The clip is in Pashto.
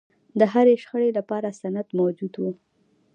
د هرې شخړې لپاره سند موجود و.